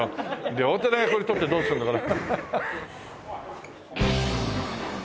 両手投げこれ採ってどうするのこれ。